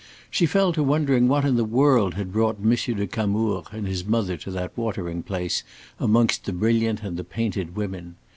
She fell to wondering what in the world had brought M. de Camours and his mother to that watering place amongst the brilliant and the painted women.